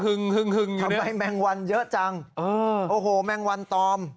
ทำไมแมงวันเยอะจังโอ้โหแมงวันตอม